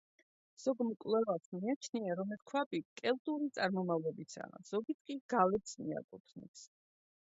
ზოგ მკვლევარს მიაჩნია, რომ ეს ქვაბი კელტური წარმომავლობისაა, ზოგიც კი გალებს მიაკუთვნებს.